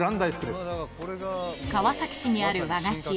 川崎市にある和菓子屋